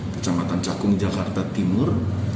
kecamatan cakung jakarta timur